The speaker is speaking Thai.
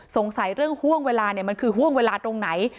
สงสัยเรื่องห่วงเวลามันคือห่วงเวลาตรงไหน